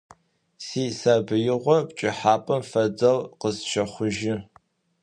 Сисабыигъо пкӀыхьапӀэм фэдэу къысщэхъужьы.